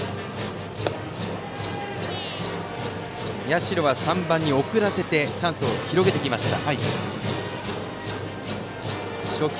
社は３番に送らせてチャンスを広げてきました。